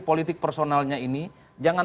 politik personalnya ini jangan